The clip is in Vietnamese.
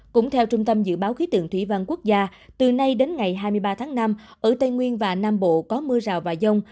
cũng theo trung tâm dự báo khí tượng thủy văn quốc gia từ nay đến ngày hai mươi ba tháng năm ở tây nguyên và nam bộ có mưa rào và dông